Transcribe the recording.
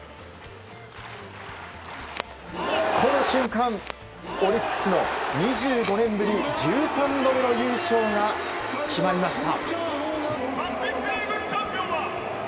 この瞬間オリックスの２５年ぶり１３度目の優勝が決まりました。